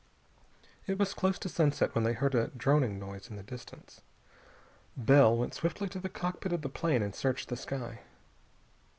It was close to sunset when they heard a droning noise in the distance. Bell went swiftly to the cockpit of the plane and searched the sky.